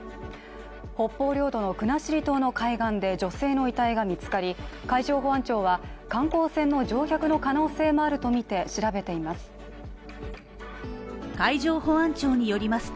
北方領土の国後島の海岸で女性の遺体が見つかり、海上保安庁は観光船の乗客の可能性もあるとみて調べています。